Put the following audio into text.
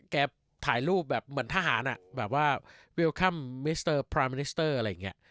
ถ่ายรูปแบบเหมือนทหารแบบว่าวิวคัมมิสเตอร์พรามินิสเตอร์อะไรอย่างนี้